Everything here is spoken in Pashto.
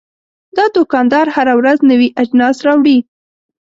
دا دوکاندار هره ورځ نوي اجناس راوړي.